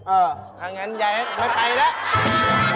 อ่าอย่างนั้นยายไม่ไปแล้ว